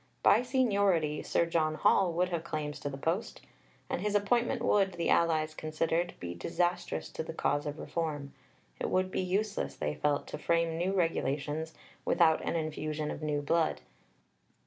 By seniority Sir John Hall would have claims to the post, and his appointment would, the allies considered, be disastrous to the cause of reform; it would be useless, they felt, to frame new regulations without an infusion of new blood.